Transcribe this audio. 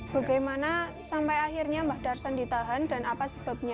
pertama di mana tempatnya